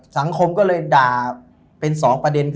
สังคมก็เลยด่าเป็น๒ประเด็น